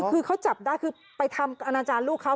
คือเขาจับได้คือไปทำอนาจารย์ลูกเขา